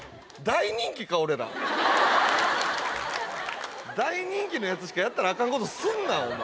大人気のやつしかやったらあかんことすんなお前。